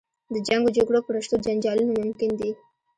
د جنګ و جګړو په رشتو جنجالونه ممکن دي.